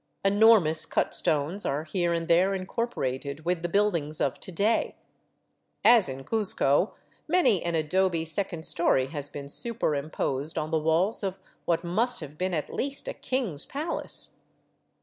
Enormous cut stones are here and there incorporated with the build ings of to day ; as in Cuzco, many an adobe second story has been superimposed on the walls of what must have been at least a king's palace.